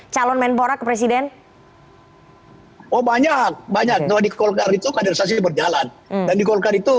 calon menborak presiden oh banyak banyak nanti kolgar itu kaderisasi berjalan dan di golkar itu